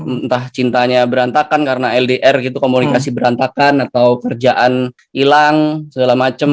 entah cintanya berantakan karena ldr gitu komunikasi berantakan atau kerjaan hilang segala macam